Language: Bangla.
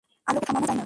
আলোকে থামানো যায় না।